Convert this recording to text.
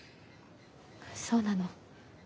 そうなの。